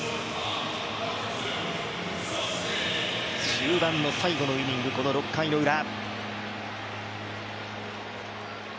中盤の最後のイニング６回のウラ。